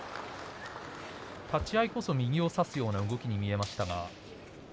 立ち合いこそ右を差すような動きに見えましたが。